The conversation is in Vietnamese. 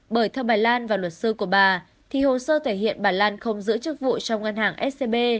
bởi theo bà lan và luật sư của bà thì hồ sơ thể hiện bà lan không giữ chức vụ trong ngân hàng scb